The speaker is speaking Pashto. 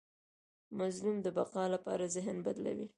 مظلوم د بقا لپاره ذهن بدلوي.